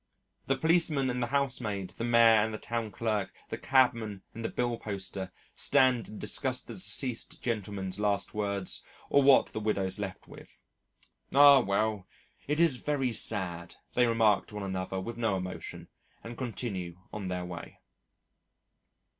The policeman and the housemaid, the Mayor and the Town Clerk, the cabman and the billposter, stand and discuss the deceased gentleman's last words or what the widow's left with. "Ah! well, it is very sad," they remark to one another with no emotion and continue on their way.